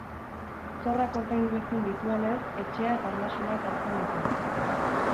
Zorrak ordaindu ezin dituenez, etxea eta ondasunak galtzen ditu.